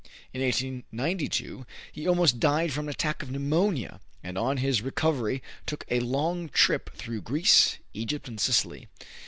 In 1892, he almost died from an attack of pneumonia, and on his recovery took a long trip through Greece, Egypt and Sicily.